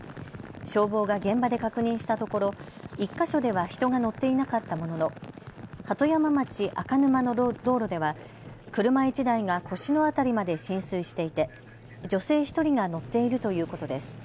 消防が現場で確認したところ１か所では人が乗っていなかったものの鳩山町赤沼の道路では車１台が腰の辺りまで浸水していて女性１人が乗っているということです。